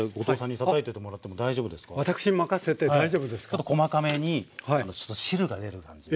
ちょっと細かめにちょっと汁が出る感じで。